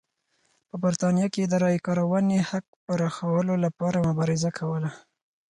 په برېټانیا کې یې د رایې ورکونې حق پراخولو لپاره مبارزه کوله.